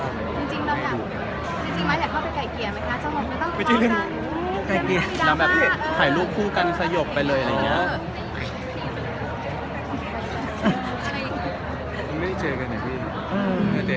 จริงมายอยากเข้าไปไก่เกียร์มั้ยคะเจ้าหกมันต้องเข้าไป